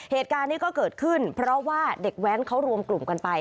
เหตุการณ์นี้ก็เกิดขึ้นเพราะว่าเด็กแว้นเขารวมกลุ่มกันไป